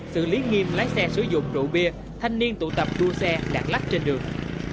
xử lý nghiêm lái xe sử dụng rượu bia thanh niên tụ tập đua xe đạt lách trên đường